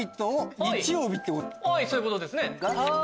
そういうことですね。